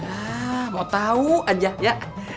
ya mau tau aja ya